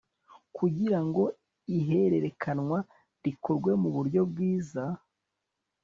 kugira ngo ihererekanwa rikorwe mu uburyo bwiza